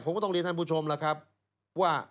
ผมก็ต้องเรียนท่านผู้ชมล่ะครับว่า